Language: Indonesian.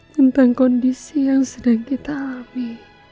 tentang kondisi yang sedang kita alami